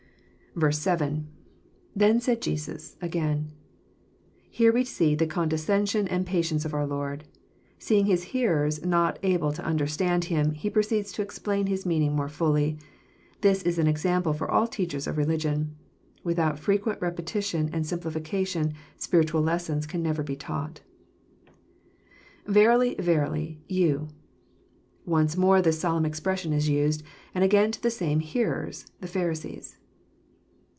7. —[ Then said Jeshis. . .again.'] Here we see the condescension and patience of our Lord. Seeing His hearers not able to understand Him, He proceeds to explain His meaning more ftiUy. This is an example for all teachers of religion. Without frequent repe tition and simplification spiritual lessons can never be taught. [Verily^ verUy...you.] Once more this solemn expression is used, and again to the same hearers, the Pharisees.